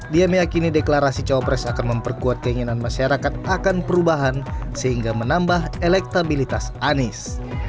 dia meyakini deklarasi cawapres akan memperkuat keinginan masyarakat akan perubahan sehingga menambah elektabilitas anies